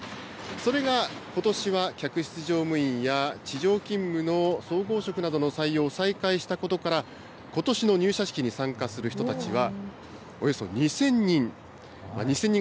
それがことしは、客室乗務員や地上勤務の総合職などの採用を再開したことから、ことしの入社式に参加する人たちは、およそ２０００人。